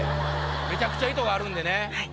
めちゃくちゃ意図があるんでね。